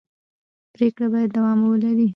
پرېکړې باید دوام ولري